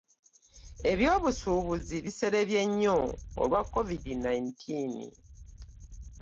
Ebyobusuubuzi biserebye nnyo olwa covid nineteen.